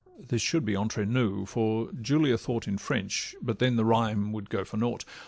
(This should be entre nous, for Julia thought In French, but then the rhyme would go for naught.)